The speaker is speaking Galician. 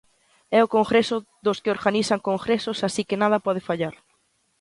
É o congreso dos que organizan congresos así que nada pode fallar.